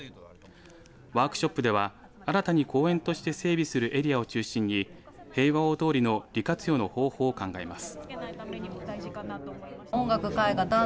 ワークショップでは新たに公園として整備するエリアを中心に平和大通りの利活用の方法を考えます。